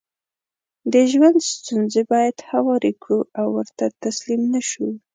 دژوند ستونزې بايد هوارې کړو او ورته تسليم نشو